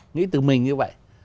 nghĩ từ mình như vậy